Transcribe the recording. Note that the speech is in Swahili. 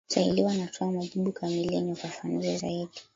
msailiwa anatoa majibu kamili yenye ufafanuzi zaidi